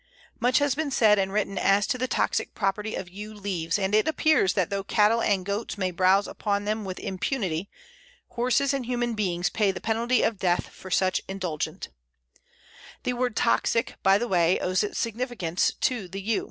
Much has been said and written as to the toxic property of Yew leaves, and it appears that though cattle and goats may browse upon them with impunity, horses and human beings pay the penalty of death for such indulgence. That word toxic, by the way, owes its significance to the Yew.